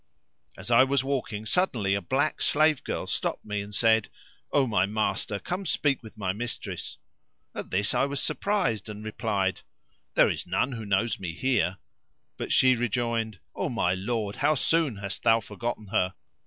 As I was walking suddenly a black slave girl stopped me and said, "O my master, come speak with my mistress."[FN#526] At this I was surprised and replied, "There is none who knows me here;" but she rejoined, "O my lord, how soon hast thou forgotten her!